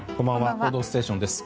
「報道ステーション」です。